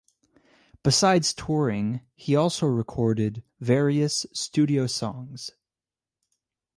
Besides touring he also recorded various studio songs.